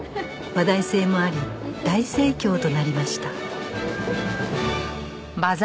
話題性もあり大盛況となりました